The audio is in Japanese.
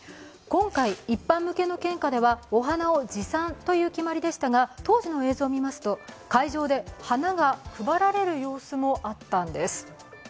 今回、一般向けの献花ではお花を持参という決まりでしたが当時の映像を見ますと、会場で花が配られる様子もあったんです。